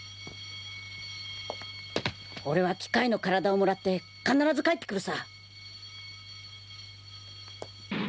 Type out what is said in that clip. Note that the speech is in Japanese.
俺は機械の体をもらって必ず帰ってくるさ。